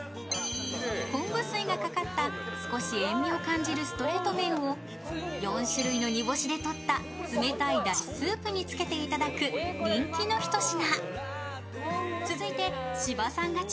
昆布水がかかった少し塩みを感じるストレート麺を４種類の煮干しでとった冷たいだしスープにつけていただく人気の一品。